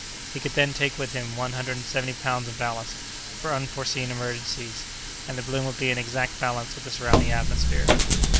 He could then take with him one hundred and seventy pounds of ballast, for unforeseen emergencies, and the balloon would be in exact balance with the surrounding atmosphere.